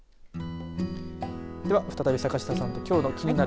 では、再び坂下さんときょうのキニナル！